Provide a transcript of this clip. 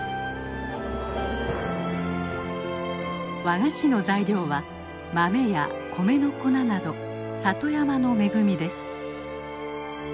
和菓子の材料は豆や米の粉など里山の恵みです。